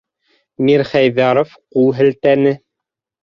- Мирхәйҙәров ҡул һелтәне.